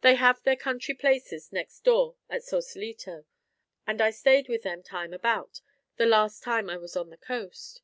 They have their country places next door at Saucelito, and I stayed with them time about, the last time I was on the coast.